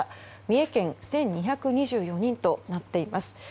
三重県１２２４人となっています。